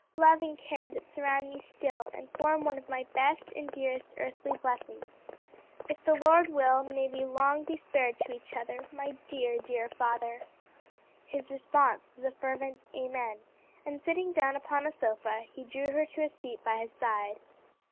love and care that surround me still and form one of my best and dearest earthly blessings. If the Lord will, may we long be spared to each other, my dear, dear father!" His response was a fervent "Amen," and sitting down upon a sofa, he drew her to a seat by his side.